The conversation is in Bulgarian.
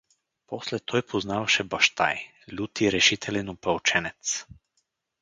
После той познаваше баща й: лют и решителен опълченец.